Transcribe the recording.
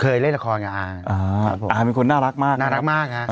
เคยเล่นละครอย่างงี้อ่าอ่าอ่าเป็นคนน่ารักมากน่ารักมากนะครับ